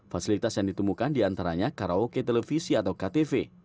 fasilitas yang ditemukan di antaranya karaoke televisi atau ktv